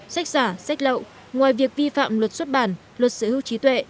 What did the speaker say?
sách giả sách lậu ngoài việc vi phạm luật xuất bản luật sở hữu trí tuệ